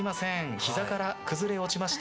ひざから崩れ落ちました